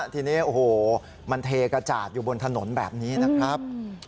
ทีนี้โอ้โหมันเทกระจาดอยู่บนถนนแบบนี้นะครับ